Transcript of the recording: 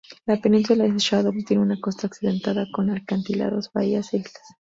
La península de Shandong tiene una costa accidentada, con acantilados, bahías e islas.